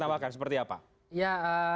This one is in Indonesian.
tawarkan seperti apa ya